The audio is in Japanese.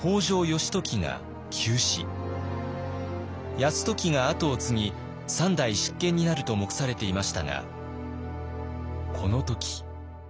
泰時が跡を継ぎ３代執権になると目されていましたがこの時。